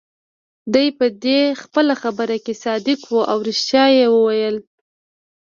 دی په دې خپله خبره کې صادق وو، او ريښتیا يې ویل.